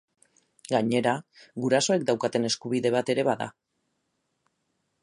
Gainera, gurasoek daukaten eskubide bat ere bada.